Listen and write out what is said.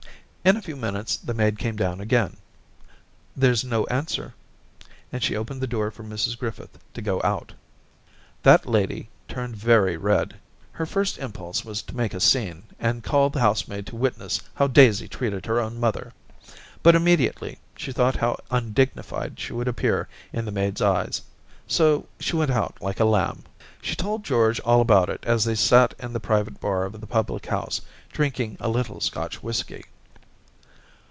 In a few minutes the maid came down again. * There's no answer,' and she opened the door for Mrs Griffith to go out. That lady turned very red. Her first im pulse was to make a scene and call the house maid to witness how Diaisy treated her own mother ; but immediately she thought how undignified she would appear in the maid's eyes. So she went out like a lamb. ... She told George all about it as they sat in the private bar of the public house, drinking a little Scotch whisky.